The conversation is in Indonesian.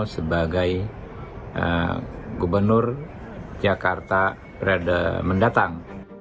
sebagai gubernur jakarta periode mendatang